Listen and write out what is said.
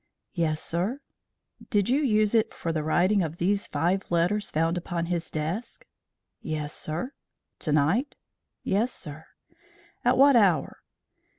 "Yes, sir." "Did you use it for the writing of these five letters found upon his desk?" "Yes, sir." "To night?" "Yes, sir." "At what hour?"